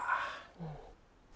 うん。